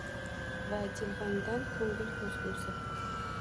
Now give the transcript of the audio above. Va jilvangdan ko’ngil ko’zgusi